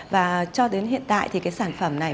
và cho đến hiện tại thì cái sản phẩm này